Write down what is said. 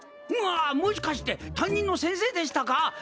まあもしかして担任の先生でしたか？